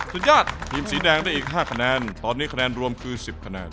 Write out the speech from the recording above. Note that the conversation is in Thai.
คุณญาติทีมสีแดงได้อีก๕คะแนนตอนนี้คะแนนรวมคือ๑๐คะแนน